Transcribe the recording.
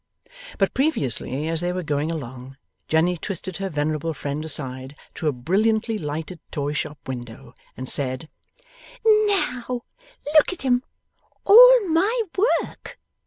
But previously, as they were going along, Jenny twisted her venerable friend aside to a brilliantly lighted toy shop window, and said: 'Now look at 'em! All my work!